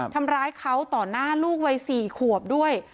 ทำร้ายเขาต่อหน้าลูกวัย๔ขวบด้วย